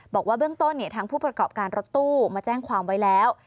บอกว่าเบื้องต้นทางผู้ประกอบการรถตู้มาแจ้งความไว้แล้ว